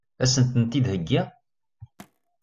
Ad sen-tent-id-heggiɣ?